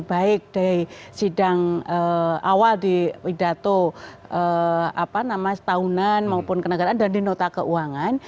baik dari sidang awal di pidato apa namanya setahunan maupun kenagaran dan di nota keuangan